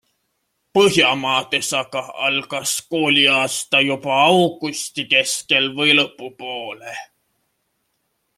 Põhjamaades aga algas kooliaasta juba augusti keskel või lõpupoole.